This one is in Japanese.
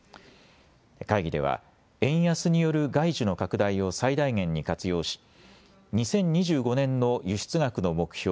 会議では円安による外需の拡大を最大限に活用し２０２５年の輸出額の目標